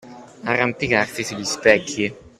Arrampicarsi sugli specchi.